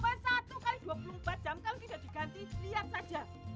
selama satu x dua puluh empat jam kalau tidak diganti lihat saja